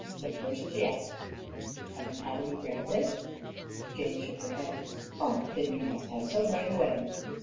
But first she asked, "Have you had any breakfast?" Jane shook her head. "Oh, then you must have some right away."